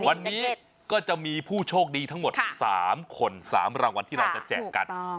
วันนี้ก็จะมีผู้โชคดีทั้งหมด๓คน๓รางวัลที่เราจะแจกกัน